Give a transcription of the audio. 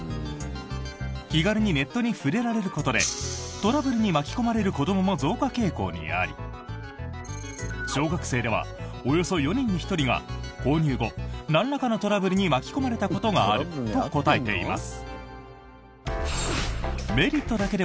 気軽にネットに触れられることでトラブルに巻き込まれる子どもも増加傾向にあり小学生では、およそ４人に１人が購入後、なんらかのトラブルに巻き込まれたことがあると答えています。